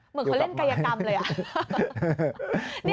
เหมือนเขาเล่นกายกรรมเลยอะ